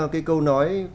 cái câu nói